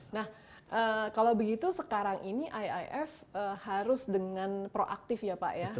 nah kalau begitu sekarang ini iif harus dengan proaktif ya pak ya